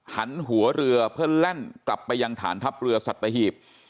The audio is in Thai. หันหัวเรือเพื่อแล่นกลับไปยังฐานทัพเรือสัตหีบ